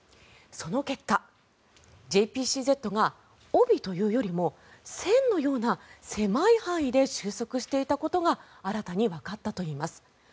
その結果、ＪＰＣＺが帯というよりも線のような狭い範囲で収束していたことが新たにわかったといいます。